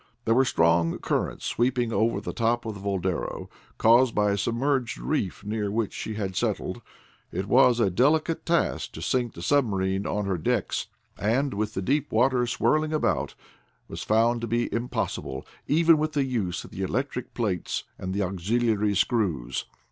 There were strong currents sweeping over the top of the Boldero, caused by a submerged reef near which she had settled. It was a delicate task to sink the submarine on her decks, and with the deep waters swirling about was found to be impossible, even with the use of the electric plates and the auxiliary screws.